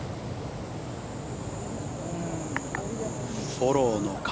フォローの風。